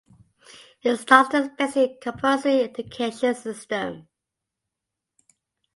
It starts the basic compulsory education system.